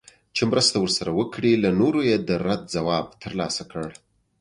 چي مرسته ورسره وکړي له نورو یې د رد ځواب ترلاسه کړ